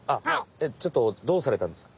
ちょっとどうされたんですか？